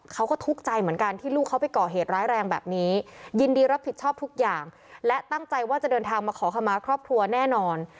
คุณได้ทำทุกอย่างและตั้งใจว่าจะเดินทางมาขอคำม้าครอบครัวแน่นอน